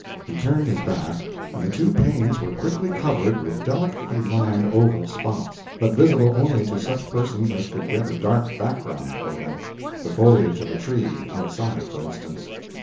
He turned his back, and the two panes were quickly covered with delicately lined oval spots, but visible only to such persons as could get a dark background for them the foliage of a tree, outside, for instance.